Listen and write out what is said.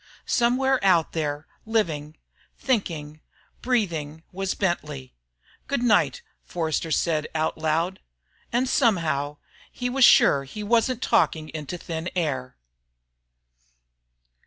Somewhere out there, living, thinking, breathing was Bentley. "Good night," Forster said out loud. And somehow, he was sure he wasn't talking into thin air.